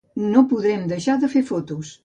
No podrem deixar de fer fotos.